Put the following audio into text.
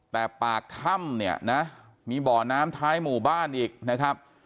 แต่ปากถ้ำเนี่ยนะมีบ่อน้ำท้ายหมู่บ้านอีกนะครับ